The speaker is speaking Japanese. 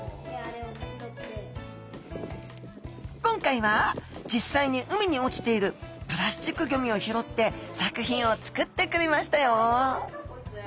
今回は実際に海に落ちているプラスチックゴミを拾って作品を作ってくれましたよ